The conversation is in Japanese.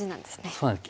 そうなんです。